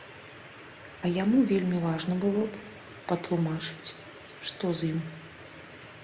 А яму вельмі важна было б патлумачыць, што з ім.